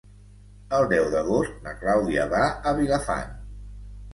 El deu d'agost na Clàudia va a Vilafant.